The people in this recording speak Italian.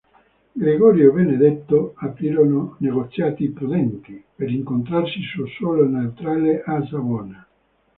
Gregorio e Benedetto aprirono negoziati prudenti, per incontrarsi su suolo neutrale a Savona.